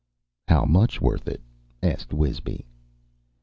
"How much worth it?" asked Wisby.